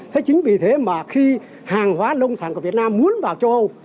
thế chính vì thế mà khi hàng hóa nông sản của việt nam muốn vào châu âu